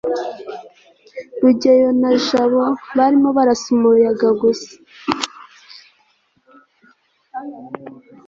rugeyo na jabo barimo barasa umuyaga gusa